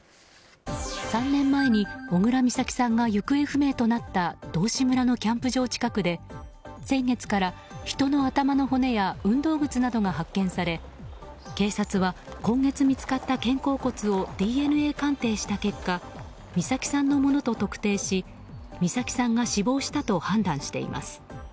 ３年前に、小倉美咲さんが行方不明となった道志村のキャンプ場近くで先月から人の頭の骨や運動靴が発見され警察は、今月見つかった肩甲骨をＤＮＡ鑑定した結果美咲さんのものと特定し美咲さんが死亡したと判断しています。